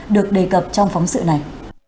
được đề cập trong phóng sự này